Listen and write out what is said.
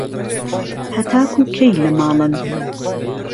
هەتاکوو کەی لە ماڵن؟